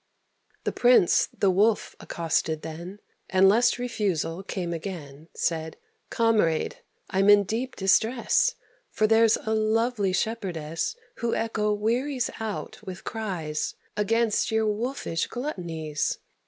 The Prince the Wolf accosted then, And, lest refusal came again, Said, "Comrade, I'm in deep distress, For there's a lovely shepherdess Who echo wearies out with cries Against your wolfish gluttonies.